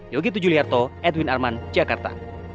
yogyakarta edwin arman jakarta